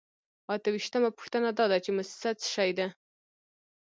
اته ویشتمه پوښتنه دا ده چې موسسه څه شی ده.